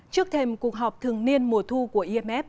trước thêm cuộc họp thường niên mùa thu của imf